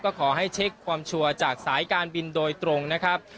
ก็ขอให้เช็คความชัวร์จากสายการบินโดยตรงนะครับ